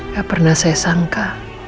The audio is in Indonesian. gak pernah saya sangka